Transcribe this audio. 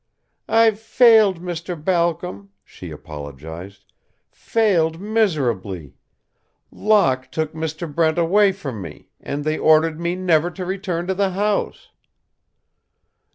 "I've failed, Mr. Balcom," she apologized, "failed miserably. Locke took Mr. Brent away from me and they ordered me never to return to the house."